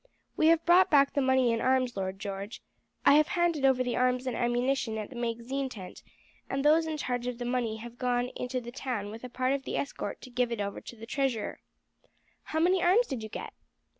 "We have brought back the money and arms, Lord George. I have handed over the arms and ammunition at the magazine tent, and those in charge of the money have gone into the town with a part of the escort to give it over to the treasurer." "How many arms did you get?"